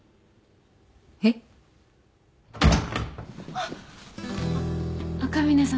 あっ赤嶺さん